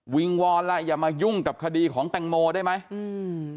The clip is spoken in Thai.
งวอนล่ะอย่ามายุ่งกับคดีของแตงโมได้ไหมอืม